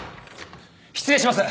失礼します！